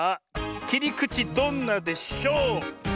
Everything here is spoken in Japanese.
きりくちどんなでしょ。